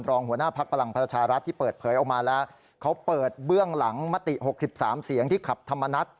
หัวหน้าพักพลังประชารัฐที่เปิดเผยออกมาแล้วเขาเปิดเบื้องหลังมติ๖๓เสียงที่ขับธรรมนัฐ